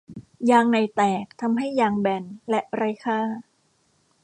ยางในแตกทำให้ยางแบนและไร้ค่า